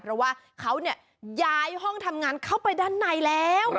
เพราะว่าเขาย้ายห้องทำงานเข้าไปด้านในแล้ว